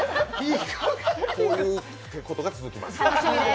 こういうことが続きます。